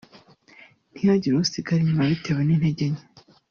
ntihagire usigara inyuma bitewe n’intege nke